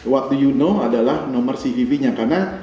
what do you know adalah nomor cvb nya karena